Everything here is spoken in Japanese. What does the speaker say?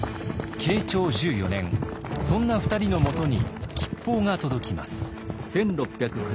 そんな２人のもとに吉報が届きます。